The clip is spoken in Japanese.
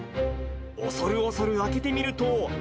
おそるおそる開けてみると。